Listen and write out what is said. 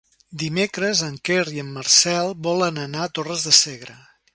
Dimecres en Quer i en Marcel volen anar a Torres de Segre.